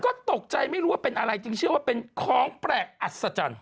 ก็ตกใจไม่รู้ว่าเป็นอะไรจึงเชื่อว่าเป็นของแปลกอัศจรรย์